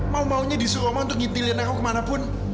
mau maunya disuruh oma untuk ngintilin aku kemanapun